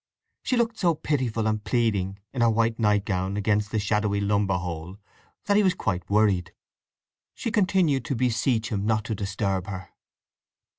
She looked so pitiful and pleading in her white nightgown against the shadowy lumber hole that he was quite worried. She continued to beseech him not to disturb her.